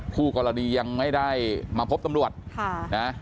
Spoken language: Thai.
คู่กรณียังไม่ได้มาพบตำรวจค่ะนะ